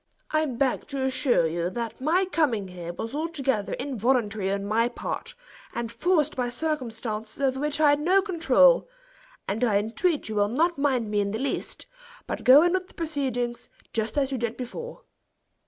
I beg to assure you that my coming here was altogether involuntary on my part, and forced by circumstances over which I had no control; and I entreat you will not mind me in the least, but go on with the proceeding, just as you did before.